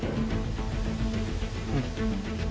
うん。